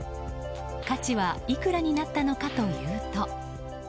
価値はいくらになったのかというと。